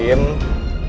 kalau kamu diam